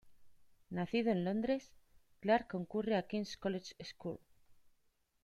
Nacido en Londres, Clark concurre al King's College School.